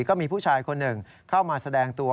ก็มีผู้ชายคนหนึ่งเข้ามาแสดงตัว